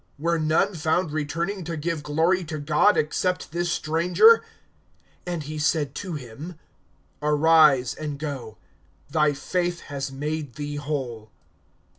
(18)Were none found returning to give glory to God, except this stranger? (19)And he said to him: Arise, and go; thy faith has made thee whole.